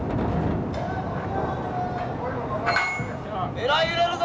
えらい揺れるぞ！